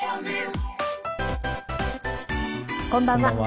こんばんは。